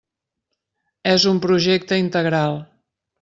És un projecte integral.